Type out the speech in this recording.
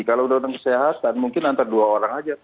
kalau udah undang undang kesehatan mungkin antar dua orang aja